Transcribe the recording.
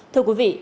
thưa quý vị